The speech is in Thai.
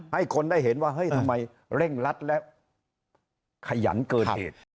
ให้คนได้เห็นว่าเฮ้ยทำไมเร่งรัดและขยันเกินเหตุ